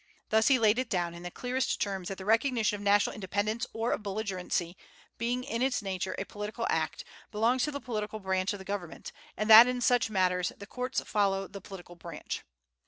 Thus he laid it down in the clearest terms that the recognition of national independence, or of belligerency, being in its nature a political act, belongs to the political branch of the government, and that in such matters the courts follow the political branch.